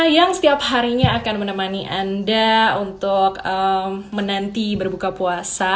yang setiap harinya akan menemani anda untuk menanti berbuka puasa